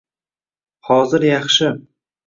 Hozir yaxshi